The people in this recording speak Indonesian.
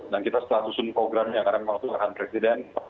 dan kita setelah susun programnya karena memang itu harga presiden